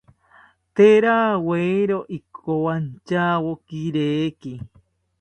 Tee rawiero ikowantyawo kireki